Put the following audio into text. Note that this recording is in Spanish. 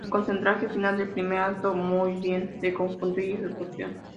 El concertante final del primer acto muy bien de conjunto y ejecución.